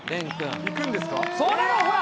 いくんですか？